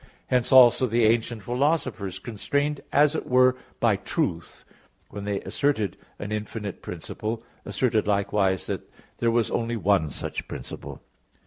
Hence also the ancient philosophers, constrained as it were by truth, when they asserted an infinite principle, asserted likewise that there was only one such principle.